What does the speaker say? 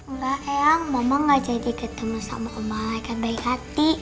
enggak eyang mama gak jadi ketemu sama om malekat baik hati